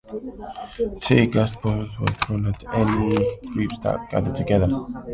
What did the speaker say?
Tear gas bombs were thrown at any groups that gathered together.